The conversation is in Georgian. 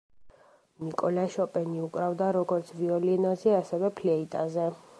მიკოლა შოპენი უკრავდა როგორც ვიოლინოზე, ასევე ფლეიტაზე.